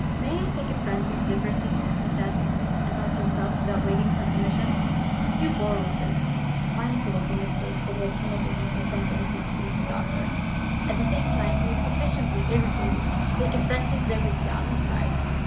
"May I take a friendly liberty?" he said and helped himself, without waiting for permission. Hugh bore with this, mindful of the mistake that he had committed in consenting to receive the doctor. At the same time, he was sufficiently irritated to take a friendly liberty on his side.